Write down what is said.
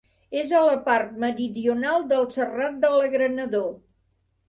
És a la part meridional del Serrat de l'Agranador.